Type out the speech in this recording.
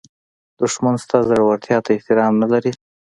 دښمن ستا زړورتیا ته احترام نه لري